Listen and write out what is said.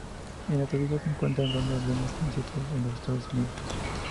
En la actualidad se encuentran dando algunos conciertos en los Estados Unidos.